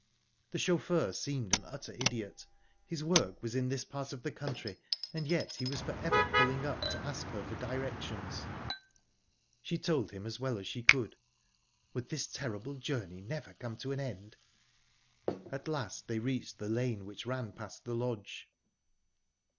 The chauffeur seemed an utter idiot his work was in this part of the country, and yet he was forever pulling up to ask her for directions. She told him as well as she could...Would this terrible journey never come to an end?... At last they reached the lane which ran past the lodge.